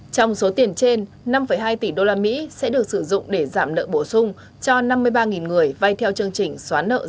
trong số tiền trên năm hai tỷ usd sẽ được sử dụng để giảm nợ bổ sung cho năm mươi ba người vay theo chương trình xóa nợ